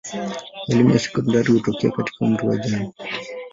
Elimu ya sekondari hutokea katika umri wa ujana.